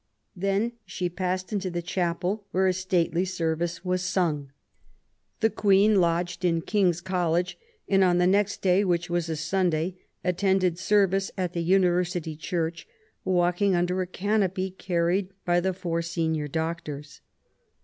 Then she passed into the chapel, where a stately service was sung. PROBLEMS OF THE REIGN. 8i The Queen lodged in King's College ; and, on the next day, which was a Sunday, attended service at the University Church, walking under a canopy carried by the four senior doctors.